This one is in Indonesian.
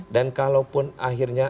dan kalaupun akhirnya